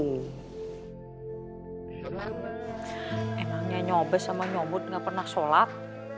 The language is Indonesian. emangnya nyobes sama nyobut gak pernah sholat